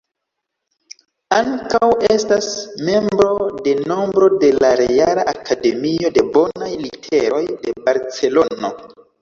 Ankaŭ estas membro de nombro de la Reala Akademio de Bonaj Literoj de Barcelono.